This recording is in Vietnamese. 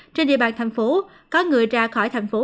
trên địa bàn thành phố có người ra khỏi thành phố